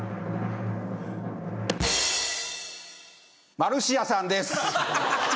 マルシアさんです。